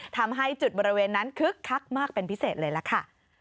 ทำให้จุดบริเวณนั้นคึกคักมากเป็นพิเศษเลยล่ะค่ะ